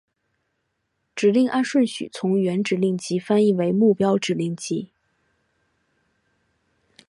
指令按顺序从原指令集翻译为目标指令集。